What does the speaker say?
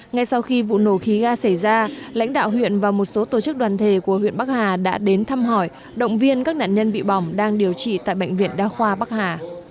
ngay sau khi vụ nổ khí ga xảy ra lãnh đạo huyện và một số tổ chức đoàn thể của huyện bắc hà đã đến thăm hỏi động viên các nạn nhân bị bỏng đang điều trị tại bệnh viện đa khoa bắc hà